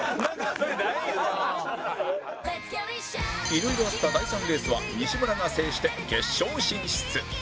色々あった第３レースは西村が制して決勝進出